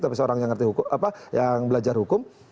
tapi seorang yang belajar hukum